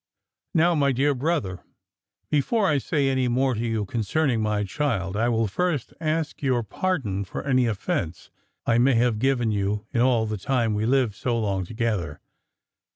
Now, dear brother, before I say any more to you concerning my child, I will first ask your pardon for any offence I may have ever given you in all the time we lived so long together.